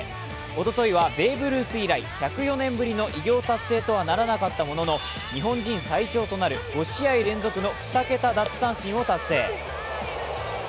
おとといはベーブ・ルース以来、１０４年ぶりの偉業達成とはならなかったものの日本人最長となる５試合連続の２桁奪三振を達成。